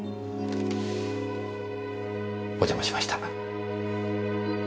お邪魔しました。